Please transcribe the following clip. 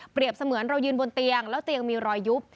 เสมือนเรายืนบนเตียงแล้วเตียงมีรอยยุบ